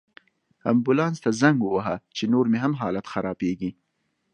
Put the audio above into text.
امبولانس ته زنګ ووهه، چې نور مې هم حالت خرابیږي